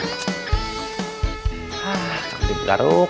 ah cantik garuk